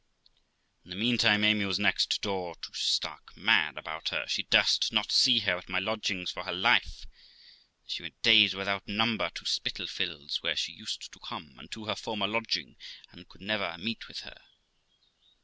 In the meantime Amy was next door to stark mad about her; she durst not see her at my lodgings for her life ; and she went days without number to Spitalfields, where she used to come, and to her former lodging, and could never meet with her.